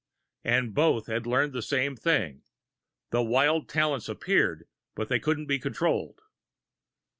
And both had learned the same thing. The wild talents appeared, but they couldn't be controlled.